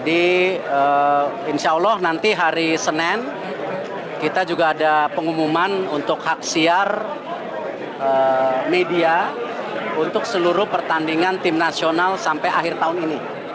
insya allah nanti hari senin kita juga ada pengumuman untuk hak siar media untuk seluruh pertandingan tim nasional sampai akhir tahun ini